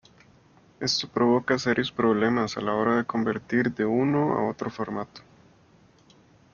Esto provoca serios problemas a la hora de convertir de uno a otro formato.